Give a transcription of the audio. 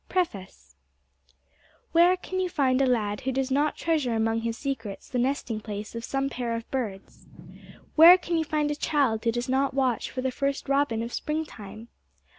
PREFACE Where can you find a lad who does not treasure among his secrets the nesting place of some pair of birds? Where can you find a child who does not watch for the first robin of spring time?